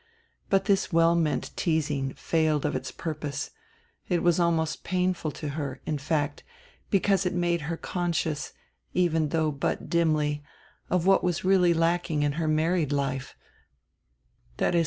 But this well meant teasing failed of its purpose; it was almost painful to her, in fact, because it made her conscious, even though but dimly, of what was really lacking in her married life, viz.